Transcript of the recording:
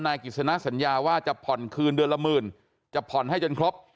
กิจสนะสัญญาว่าจะผ่อนคืนเดือนละหมื่นจะผ่อนให้จนครบ